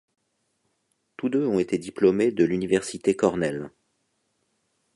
Tous deux ont été diplômés de l'université Cornell.